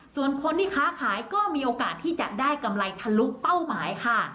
ส่วนคนที่ค้าขายก็มีโอกาสที่จะได้กำไรทะลุเป้าหมายค่ะ